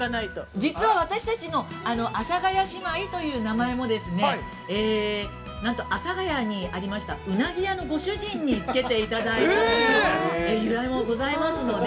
◆実は私たちの阿佐ヶ谷姉妹という名前も、えー、何と、阿佐ヶ谷にありましたうなぎ屋のご主人につけていただいたという由来もございますので。